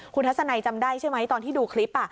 คุณทัศนัยจำได้ใช่ไหมตอนที่ดูคลิป